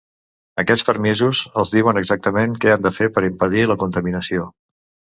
Aquests permisos els diuen exactament què han de fer per impedir la contaminació.